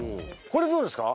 これどうですか？